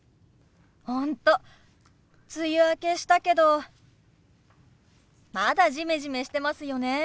本当梅雨明けしたけどまだジメジメしてますよね。